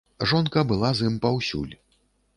Жонка была з ім паўсюль.